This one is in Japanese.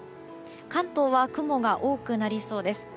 関東は雲が多くなりそうです。